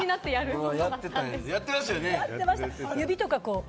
やってましたよね？